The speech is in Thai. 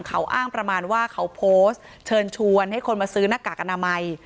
เขาอ้างประมาณว่าเขาโพสต์เชิญชวนให้คนมาซื้อหน้ากากอนามัย